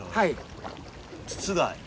筒が。